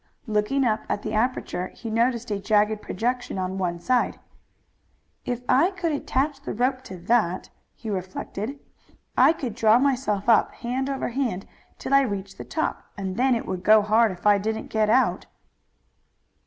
Looking up at the aperture he noticed a jagged projection on one side. "If I could attach the rope to that," he reflected, "I could draw myself up hand over hand till I reached the top, and then it would go hard if I didn't get out."